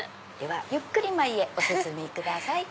ゆっくり前へお進みください。